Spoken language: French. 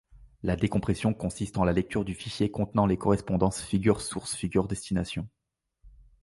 La décompression consiste en la lecture du fichier contenant les correspondances figure source-figure destination.